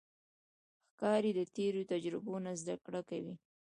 ښکاري د تیرو تجربو نه زده کړه کوي.